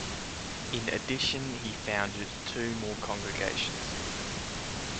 In addition he founded two more congregations.